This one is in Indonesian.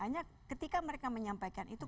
hanya ketika mereka menyampaikan itu